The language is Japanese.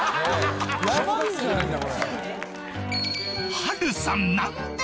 ［波瑠さん］